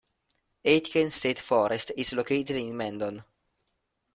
Aitken State Forest is located in Mendon.